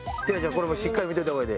これもうしっかり見といた方がええで。